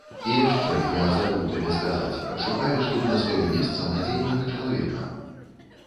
І яшчэ, я забыў табе сказаць, падшукаеш тут на сваё месца надзейнага чалавека.